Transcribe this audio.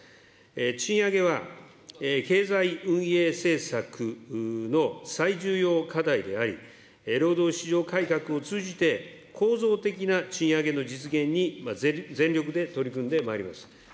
賃上げは経済運営政策の最重要課題であり、労働市場改革を通じて、構造的な賃上げの実現に全力で取り組んでまいります。